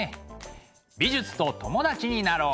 美術と友達になろう！